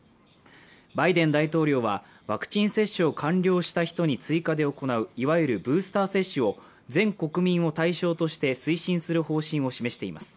バイデン大統領はワクチン接種を完了した人に追加で行ういわゆるブースター接種を全国民を対象として推進する方針を示しています。